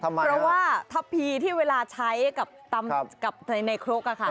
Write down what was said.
ทำไมครับเพราะว่าทัพพีที่เวลาใช้กับในโครก